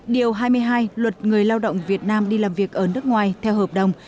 điều hai mươi hai luật người lao động việt nam đi làm việc ở nước ngoài theo hợp đồng